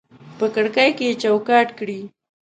په کړکۍ کې یې چوکاټ کړي